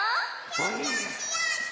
ぴょんぴょんしようしよう！